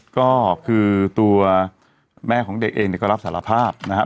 ก็คือตัวแม่ของเด็กเองเนี่ยก็รับสารภาพนะครับ